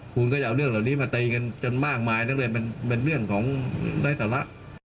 คุณก็อย่าเอาตัวนี้มาตรีกันจนมากมายนั่นเลยเป็นเรื่องของแตกตล่ะ